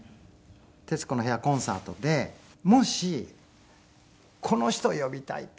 「徹子の部屋」コンサートでもしこの人呼びたいって。